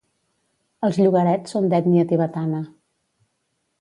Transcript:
Els llogarets són d'ètnia tibetana.